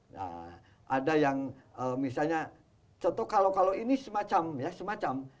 nah ada yang misalnya contoh kalau kalau ini semacam ya semacam